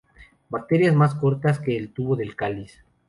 Brácteas más cortas que el tubo del cáliz.